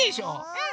うん！